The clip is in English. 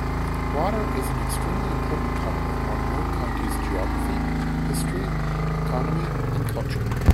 Water is an extremely important part of Monroe County's geography, history, economy, and culture.